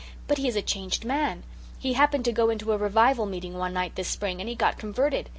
But he is a changed man. He happened to go into a revival meeting one night this spring and he got converted.